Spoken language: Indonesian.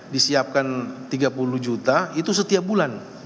disiapkan tiga puluh juta itu setiap bulan